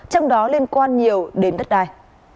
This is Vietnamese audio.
trong đó liên quan nhiều đến đất đài